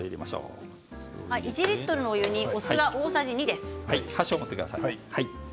１リットルのお湯にお酢は大さじ２です。